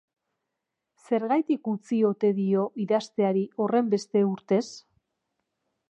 Zergatik utzi ote dio idazteari horrenbeste urtez?